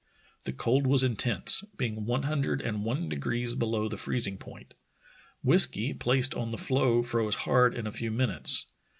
The cold was intense, being one hundred and one degrees below the freezing point. Whiskey placed on the floe froze hard in a few minutes.